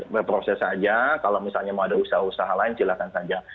berproses saja kalau misalnya mau ada usaha usaha lain silakan saja